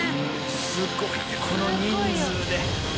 すごいねこの人数で。